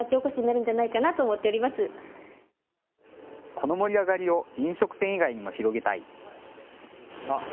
この盛り上がりを飲食店以外にも広げたい。